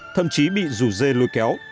thậm chí bị rủ dê lôi kéo